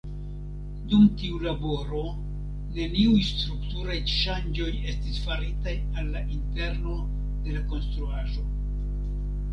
Dum tiu laboro, neniuj strukturaj ŝanĝoj estis faritaj al la interno de la konstruaĵo.